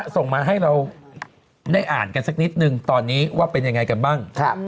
ส่งมาให้เราได้อ่านกันสักนิดนึงตอนนี้ว่าเป็นยังไงกันบ้าง